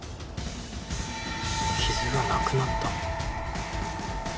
傷がなくなった？